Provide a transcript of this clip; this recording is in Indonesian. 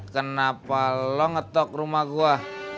kenapa lo ngetok rumah gue